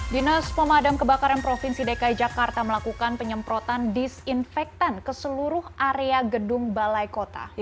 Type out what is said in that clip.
dinas pemadam kebakaran provinsi dki jakarta melakukan penyemprotan disinfektan ke seluruh area gedung balai kota